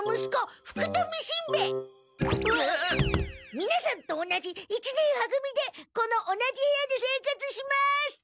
みなさんと同じ一年は組でこの同じ部屋で生活します！